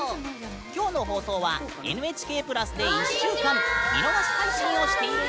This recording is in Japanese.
今日の放送はＮＨＫプラスで１週間見逃し配信をしているよ。